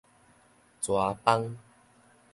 蛇枋